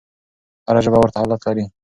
هره ژبه ورته حالت لري.